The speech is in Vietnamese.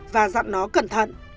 và dặn nó cẩn thận